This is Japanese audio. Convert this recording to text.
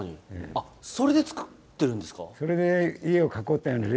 あっそれでつくってるんですか？